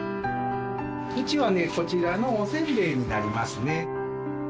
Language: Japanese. うちはねこちらのおせんべいになりますね。